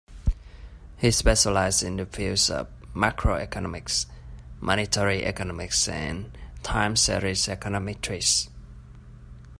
He specializes in the fields of macroeconomics, monetary economics and time series econometrics.